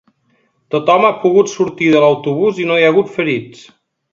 Tothom ha pogut sortir de l’autobús i no hi ha hagut ferits.